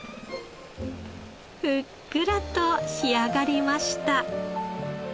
ふっくらと仕上がりました。